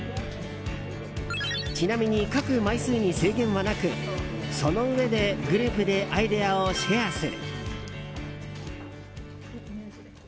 ちなみに書く枚数に制限はなくそのうえで、グループでアイデアをシェアする。